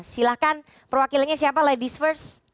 silahkan perwakilannya siapa ladies first